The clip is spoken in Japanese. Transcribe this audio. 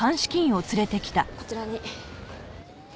こちらに。